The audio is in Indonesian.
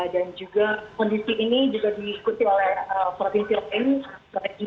dan juga kondisi ini juga diikuti oleh provinsi lain